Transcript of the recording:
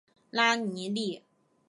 拉尼利。